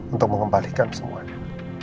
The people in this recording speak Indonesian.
untuk mengembalikan semuanya